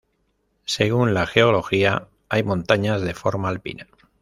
Según la Geología hay montañas de forma alpina.